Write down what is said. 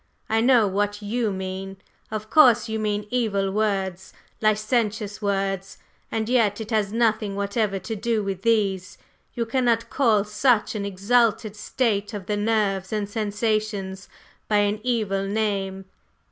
I know what you mean, of course; you mean evil words, licentious words, and yet it has nothing whatever to do with these. You cannot call such an exalted state of the nerves and sensations by an evil name."